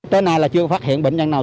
tới nay là chưa phát hiện bệnh nhân nào